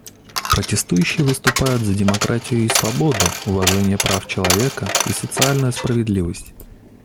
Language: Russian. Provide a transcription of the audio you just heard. Протестующие выступают за демократию и свободу, уважение прав человека и социальную справедливость.